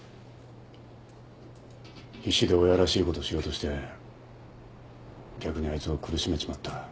必死で親らしいことしようとして逆にあいつを苦しめちまった。